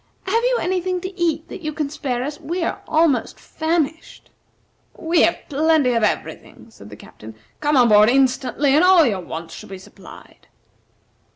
Have you any thing to eat that you can spare us? We are almost famished." "We have plenty of every thing," said the Captain. "Come on board instantly, and all your wants shall be supplied."